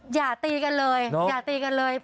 อย่าตีกันเลยอย่าตีกันเลย